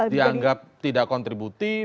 dianggap tidak kontributif